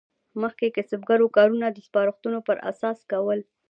مخکې کسبګرو کارونه د سپارښتونو پر اساس کول.